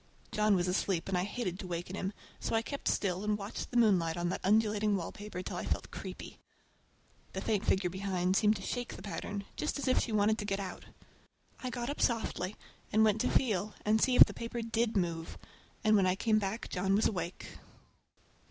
John was asleep and I hated to waken him, so I kept still and watched the moonlight on that undulating wallpaper till I felt creepy. The faint figure behind seemed to shake the pattern, just as if she wanted to get out. I got up softly and went to feel and see if the paper did move, and when I came back John was awake.